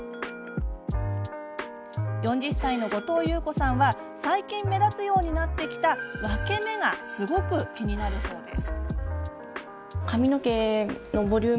４０歳の後藤悠子さんは最近、目立つようになってきた分け目がすごく気になるそうです。